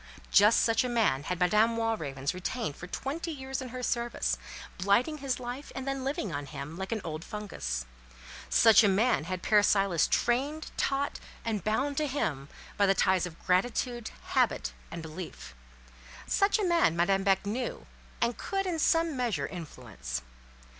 Just such a man had Madame Walravens retained for twenty years in her service, blighting his life, and then living on him, like an old fungus; such a man had Père Silas trained, taught, and bound to him by the ties of gratitude, habit, and belief. Such a man Madame Beck knew, and could in some measure influence.